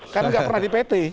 karena nggak pernah di pt